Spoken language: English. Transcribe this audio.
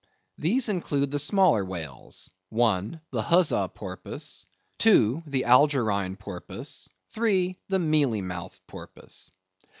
—These include the smaller whales. I. The Huzza Porpoise. II. The Algerine Porpoise. III. The Mealy mouthed Porpoise.